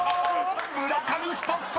［村上ストップ。